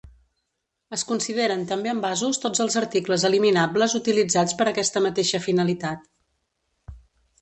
Es consideren també envasos tots els articles eliminables utilitzats per aquesta mateixa finalitat.